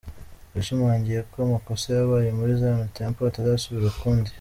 Yashimangiye ko amakosa yabaye muri Zion Temple atazasubira ukundi.